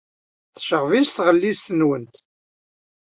Tecɣeb-itt tɣellist-nwent.